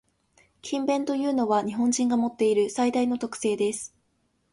「勤勉」というのは、日本人が持っている最大の特性です。